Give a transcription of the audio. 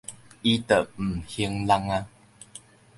伊就毋還人矣